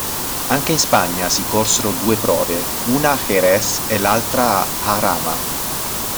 Anche in Spagna si corsero due prove, una Jerez e l'altra a Jarama.